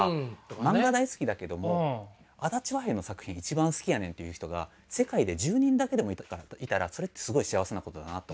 「漫画大好きだけども足立和平の作品一番好きやねん」っていう人が世界で１０人だけでもいたらそれってすごい幸せなことだなと思って。